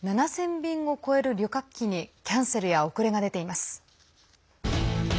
便を超える旅客機にキャンセルや遅れが出ています。